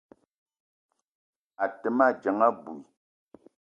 A te ma dzeng abui.